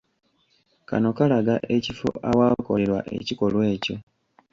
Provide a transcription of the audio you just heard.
Kano kalaga ekifo awaakolerwa ekikolwa ekyo.